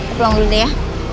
aku pulang dulu deh ya